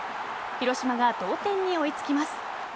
広島が同点に追いつきます。